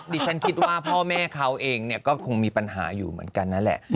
ดิฉันคิดว่าพ่อแม่เขาเองก็คงมีปัญหาอยู่เหมือนกันนั่นแหละ